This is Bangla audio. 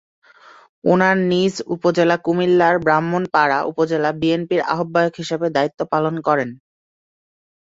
উনার নিজ, উপজেলা কুমিল্লার ব্রাহ্মণপাড়া উপজেলা বিএনপির আহবায়ক হিসেবে দায়িত্ব পালন করেন।